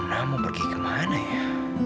nah mau pergi kemana ya